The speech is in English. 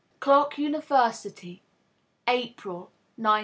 Clark University, April, 1920.